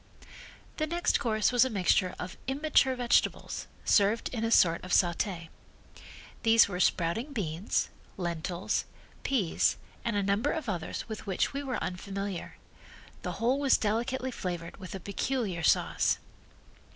The next course was a mixture of immature vegetables, served in a sort of saute. These were sprouting beans, lentils, peas and a number of others with which we were unfamiliar. The whole was delicately flavored with a peculiar sauce.